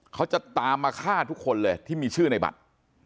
เขาจะตามมาฆ่าทุกคนเลยที่มีชื่อในบัตร